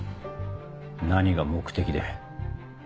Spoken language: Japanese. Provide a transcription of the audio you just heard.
何が目的で。